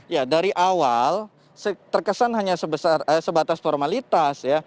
ya dari awal terkesan hanya sebatas formalitas ya